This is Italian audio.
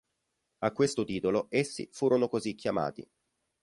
A questo titolo essi furono così chiamati.